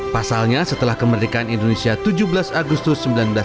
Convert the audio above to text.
pasalnya setelah kemerdekaan indonesia tujuh belas agustus seribu sembilan ratus empat puluh